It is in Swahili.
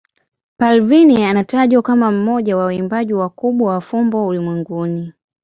Parveen anatajwa kama mmoja wa waimbaji wakubwa wa fumbo ulimwenguni.